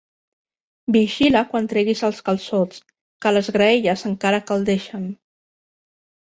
Vigila quan treguis els calçots, que les graelles encara caldegen.